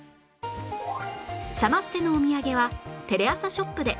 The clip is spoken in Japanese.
サマステのお土産は「テレアサショップ」で